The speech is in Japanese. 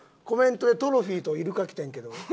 コメントでトロフィーとイルカ来てんけど。